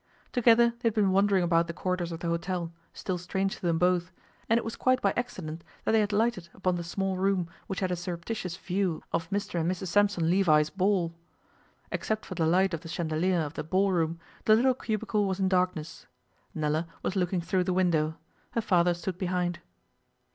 Together they had been wandering about the corridors of the hotel, still strange to them both, and it was quite by accident that they had lighted upon the small room which had a surreptitious view of Mr and Mrs Sampson Levi's ball. Except for the light of the chandelier of the ball room the little cubicle was in darkness. Nella was looking through the window; her father stood behind.